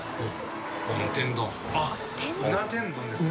△うな天丼ですか？